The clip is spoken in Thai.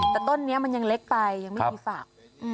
แต่ต้นนี้มันยังเล็กไปยังไม่มีฝาก